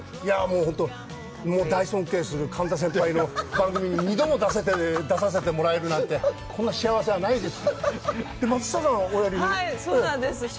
本当に大尊敬する神田先輩の番組に二度も出させてもらえるなんて、こんな幸せはないです。